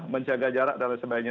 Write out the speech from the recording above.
menjaga jarak dan sebagainya